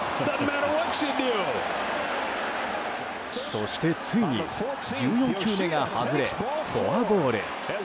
そしてついに１４球目が外れフォアボール。